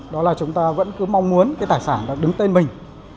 đó là chúng ta vẫn cứ mong muốn cái tài sản đó đứng tên mình